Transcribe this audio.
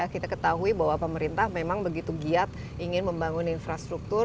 kita ketahui bahwa pemerintah memang begitu giat ingin membangun infrastruktur